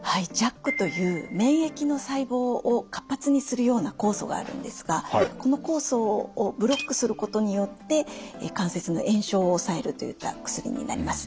ＪＡＫという免疫の細胞を活発にするような酵素があるんですがこの酵素をブロックすることによって関節の炎症を抑えるといった薬になります。